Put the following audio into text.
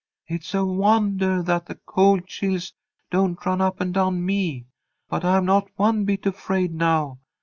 It's a wondah that the cold chills don't run up and down me! But I'm not one bit afraid now.